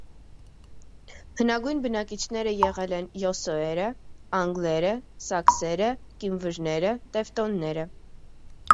Հնագույն բնակիչները եղել են յոսոերը, անգլերը, սաքսերը, կիմվրները, տևտոնները։